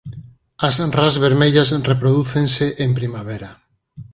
As ras vermellas reprodúcense en primavera.